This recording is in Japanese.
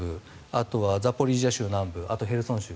あとはザポリージャ州南部あとヘルソン州。